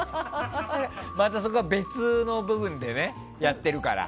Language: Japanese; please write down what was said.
またそこは別の部分でやってるから。